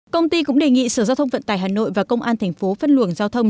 công ty cũng đề nghị sở giao thông vận tải hà nội và công an thành phố phân luồng giao thông